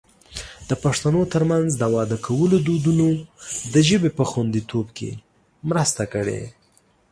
د پښتنو ترمنځ د واده کولو دودونو د ژبې په خوندیتوب کې مرسته کړې.